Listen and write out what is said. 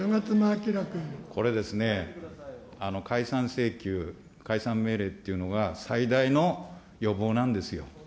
これですね、解散請求、解散命令っていうのが最大の予防なんですよ。